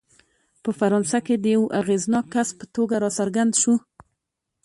په فرانسه کې د یوه اغېزناک کس په توګه راڅرګند شو.